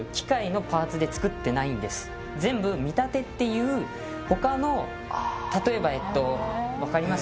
これは実は全部見立てっていう他の例えばえっと分かります？